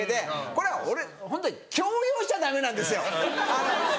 これは俺ホントに強要しちゃダメなんですよ。